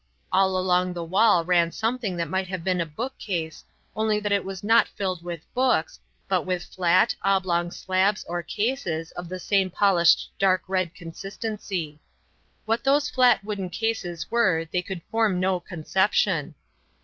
All along the wall ran something that might have been a bookcase, only that it was not filled with books, but with flat, oblong slabs or cases of the same polished dark red consistency. What those flat wooden cases were they could form no conception.